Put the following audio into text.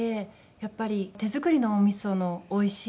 やっぱり手作りのお味噌のおいしい。